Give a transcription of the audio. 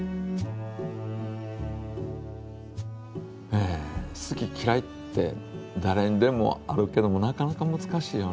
え好ききらいってだれにでもあるけどもなかなかむずかしいよね